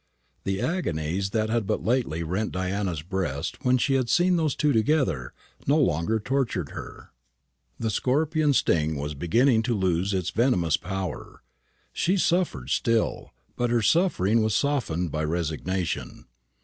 The agonies that had but lately rent Diana's breast when she had seen those two together no longer tortured her. The scorpion sting was beginning to lose its venomous power. She suffered still, but her suffering was softened by resignation.